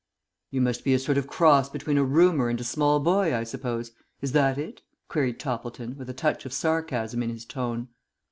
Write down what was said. "You must be a sort of cross between a rumour and a small boy, I suppose; is that it?" queried Toppleton, with a touch of sarcasm in his tone.